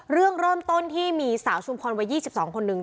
เรื่องเริ่มต้นที่มีสาวชุมพรวัย๒๒คนนึง